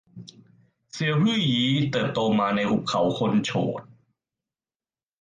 เซียวฮื่อยี้ เติบโตมาในหุบเขาคนโฉด